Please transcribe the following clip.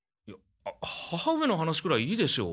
母上の話くらいいいでしょう。